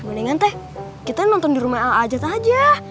eh gandengan teh kita nonton di rumah al ajad aja